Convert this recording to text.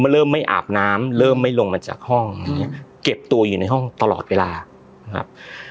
เริ่มไม่อาบน้ำเริ่มไม่ลงมาจากห้องเก็บตัวอยู่ในห้องตลอดเวลานะครับ